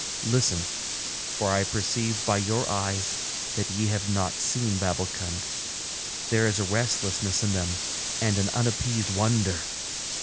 Listen, for I perceive by your eyes that ye have not seen Babbulkund; there is a restlessness in them and an unappeased wonder.